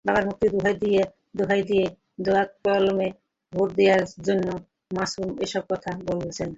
বাবার মুক্তির দোহাই দিয়ে দোয়াত-কলমে ভোট দেওয়ার জন্য মাসুদ এসব কথা বলেছেন।